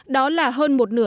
đó là hơn một nửa